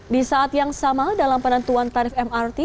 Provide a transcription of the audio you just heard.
di saat yang sama dalam penentuan tarif mrt